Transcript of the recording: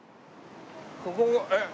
ここえっ？